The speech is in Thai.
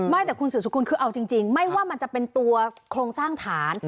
ไม่แต่คุณสื่อสกุลคือเอาจริงไม่ว่ามันจะเป็นตัวโครงสร้างฐาน